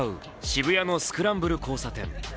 渋谷のスクランブル交差点。